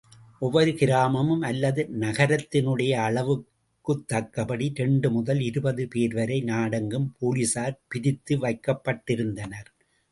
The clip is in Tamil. ஒவ்வொரு கிராமம் அல்லது நகரத்தினுடைய அளவுக்குத்தக்கபடி இரண்டு முதல் இருபது பேர்வரை நாடெங்கும் போலிஸார் பிரித்து வைக்கப்பட்டிருந்தனர்.